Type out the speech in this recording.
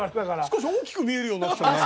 少し大きく見えるようになってきたね。